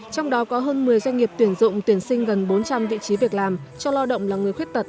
trong đó có hơn một mươi doanh nghiệp tuyển dụng tuyển sinh gần bốn trăm linh vị trí việc làm cho lo động là người khuyết tật